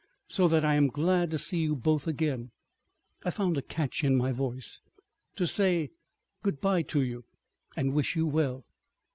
So that I am glad to see you both again"—I found a catch in my voice—"to say good bye to you, and wish you well."